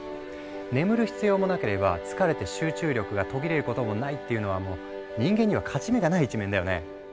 眠る必要もなければ疲れて集中力が途切れることもないっていうのは人間には勝ち目がない一面だよね。